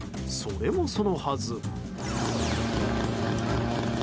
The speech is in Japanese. それも、そのはず。